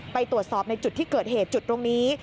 ไปตรวจสอบในจุดที่เกิดเหตุจุดตรงนี้